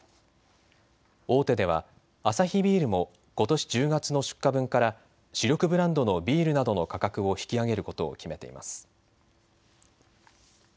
大手ではアサヒビールもことし１０月の出荷分から主力ブランドのビールなどの価格を引き上げることを決めています。